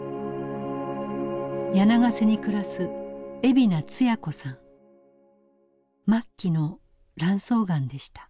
柳ケ瀬に暮らす末期の卵巣がんでした。